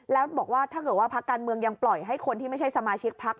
แล้วบอกว่าถ้าเกิดว่าพักการเมืองยังปล่อยให้คนที่ไม่ใช่สมาชิกพัก